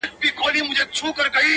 خدايه سندرو کي مي ژوند ونغاړه’